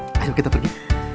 afif ayo kita pergi